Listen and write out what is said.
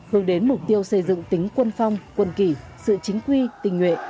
hướng đến mục tiêu xây dựng tính quân phong quân kỳ sự chính quy tình nguyện